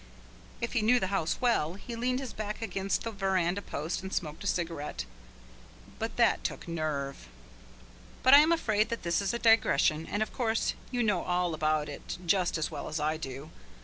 If he knew the house well, he leaned his back against the verandah post and smoked a cigarette. But that took nerve. But I am afraid that this is a digression, and, of course, you know all about it just as well as I do.